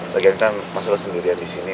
lagian kan mas wisi sendirian disini